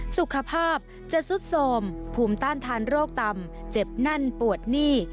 สุขภาพจะซุดโสมภูมิต้านทานโรคต่ำเจ็บนั่นปวดหนี้